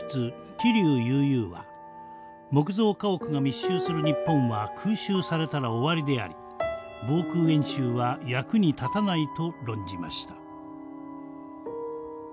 桐生悠々は木造家屋が密集する日本は空襲されたら終わりであり防空演習は役に立たないと論じました。